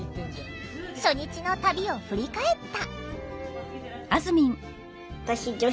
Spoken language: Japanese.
初日の旅を振り返った。